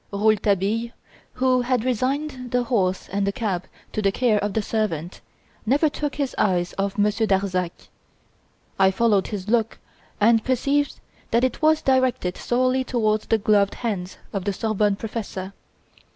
Rouletabille, who had resigned the horse and the cab to the care of a servant, never took his eyes off Monsieur Darzac. I followed his look and perceived that it was directed solely towards the gloved hands of the Sorbonne professor.